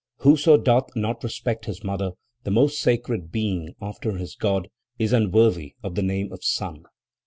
Whoso doth not respect his mother the most sacred being after his God is unworthy of the name of son.